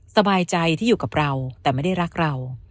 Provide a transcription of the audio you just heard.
สบายใจที่อยู่กับเราแต่ไม่ได้รักเรา